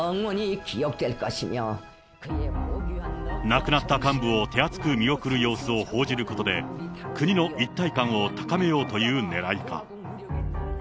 亡くなった幹部を手厚く見送る様子を報じることで、国の一体感を高めようというねらいか。